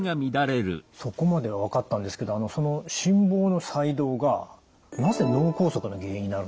そこまでは分かったんですけど心房の細動がなぜ脳梗塞の原因になるんですか？